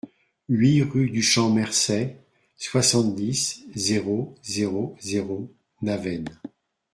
huit rue du Champ Mercey, soixante-dix, zéro zéro zéro, Navenne